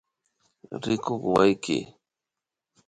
Rikuy wawki